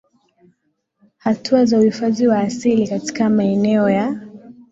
hatua za uhifadhi wa asili katika maeneo ya